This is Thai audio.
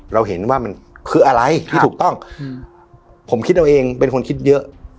เราเห็นว่ามันคืออะไรที่ถูกต้องผมคิดเอาเองเป็นคนคิดเยอะ